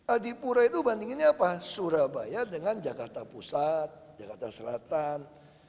adipura itu bandinginnya apa surabaya dengan jakarta pusat jakarta selatan